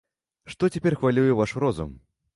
Што цяпер хвалюе ваш розум?